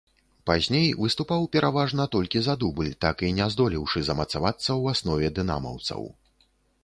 Пазней выступаў пераважна толькі за дубль, так і не здолеўшы замацавацца ў аснове дынамаўцаў.